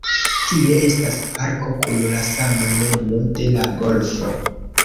Tie estas parko kun la sama nomo de la golfo.